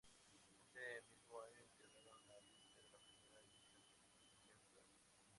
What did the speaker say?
Ese mismo año integraron la grilla de la primera edición del Quilmes Rock.